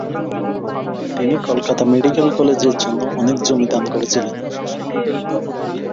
তিনি কলকাতা মেডিকেল কলেজের জন্য অনেক জমি দান করেছিলেন।